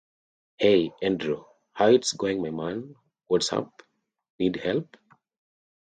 Hey, Andrew, how's it going my man. What's up? Need help?